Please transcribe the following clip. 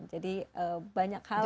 jadi banyak hal sih